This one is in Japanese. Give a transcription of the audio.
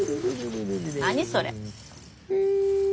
何それ。